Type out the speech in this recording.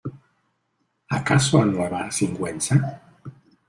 ¿ acaso a Nueva Sigüenza?